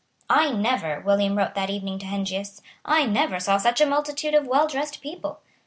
"I never," William wrote that evening to Heinsius, "I never saw such a multitude of welldressed people."